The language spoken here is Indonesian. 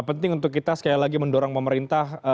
penting untuk kita sekali lagi mendorong pemerintah